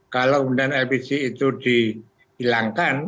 kalau kemudian lpg itu dihilangkan